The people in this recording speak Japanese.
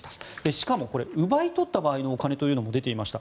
しかもこれ奪い取った場合のお金というのも出ていました。